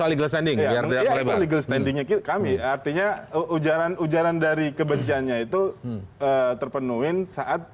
legal standing legal standing artinya ujaran ujaran dari kebenciannya itu terpenuhin saat